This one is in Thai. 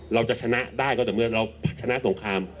เราจะชนะได้ก็แต่เมื่อเราชนะสงคราม